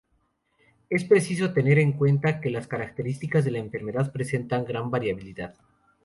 Es preciso tener en cuenta que las características de la enfermedad presentan gran variabilidad.